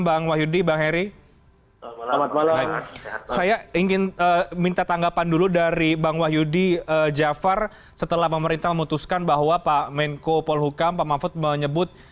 bang heri saya ingin minta tanggapan dulu dari bang wahyudi jafar setelah pemerintah memutuskan bahwa pak menko polhukam pak mahfud menyebut